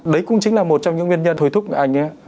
đấy cũng chính là một trong những nguyên nhân hồi thúc anh ấy